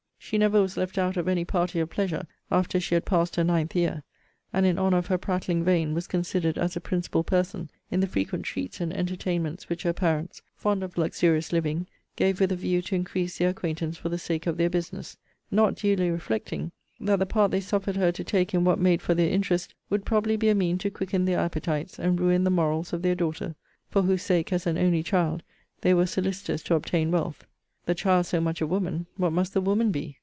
She never was left out of any party of pleasure after she had passed her ninth year; and, in honour of her prattling vein, was considered as a principal person in the frequent treats and entertainments which her parents, fond of luxurious living, gave with a view to increase their acquaintance for the sake of their business; not duly reflecting, that the part they suffered her to take in what made for their interest, would probably be a mean to quicken their appetites, and ruin the morals of their daughter, for whose sake, as an only child, they were solicitous to obtain wealth. The CHILD so much a woman, what must the WOMAN be?